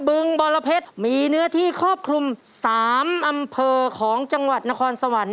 บึงบรเพชรมีเนื้อที่ครอบคลุม๓อำเภอของจังหวัดนครสวรรค์